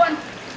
và đặt tôm lên